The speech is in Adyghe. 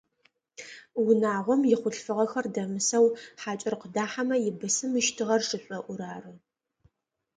Унагъом ихъулъфыгъэхэр дэмысэу хьакӏэр къыдахьэмэ ибысымыщтыр шышӏоӏур ары.